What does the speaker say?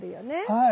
はい。